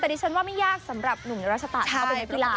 แต่ดิฉันว่าไม่ยากสำหรับหนุ่มรัชตะเข้าไปในกีฬา